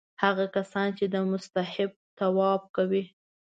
هغه کسان چې مستحب طواف کوي.